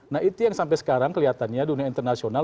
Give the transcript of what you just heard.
nah itu yang sampai sekarang kelihatannya dunia internasional